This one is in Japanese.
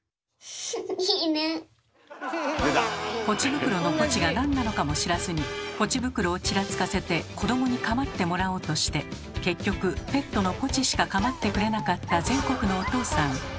ぽち袋の「ぽち」が何なのかも知らずにぽち袋をちらつかせて子どもに構ってもらおうとして結局ペットのぽちしか構ってくれなかった全国のお父さん。